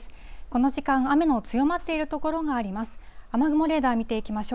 この時間、雨の強まっている所があります。